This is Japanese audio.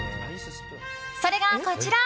それがこちら。